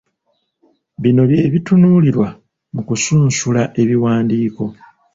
Bino bye bitunuulirwa mu kusunsula ebiwandiiko.